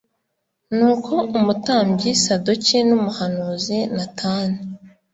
Nuko umutambyi Sadoki numuhanuzi Natani